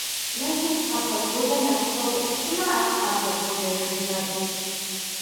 Мэзым тхьэмпэ бгъузэ нэхъыбэу къыщыкӀмэ - ар тхьэмпэ бгъузэ жыг мэзщ.